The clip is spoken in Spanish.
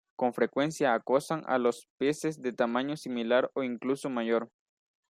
Con frecuencia acosan a los peces de tamaño similar o incluso mayor.